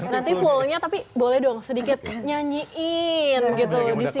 nanti fullnya tapi boleh dong sedikit nyanyiin gitu disini